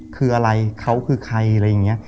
คืออะไรเขาคือใครอะไรอย่างนี้